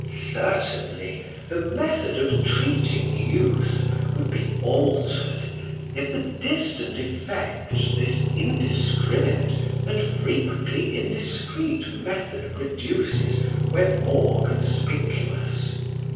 Certainly the method of treating youth would be altered if the distant effects, this indiscriminate, and frequently indiscreet method produces, were more conspicuous.